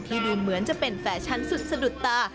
ดูเหมือนจะเป็นแฟชั่นสุดสะดุดตา